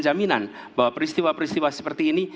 jaminan bahwa peristiwa peristiwa seperti ini